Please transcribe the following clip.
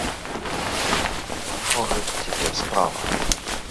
Не яго гэта цяпер справа.